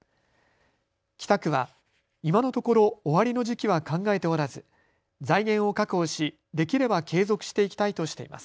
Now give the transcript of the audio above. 北区は今のところ終わりの時期は考えておらず財源を確保しできれば継続していきたいとしています。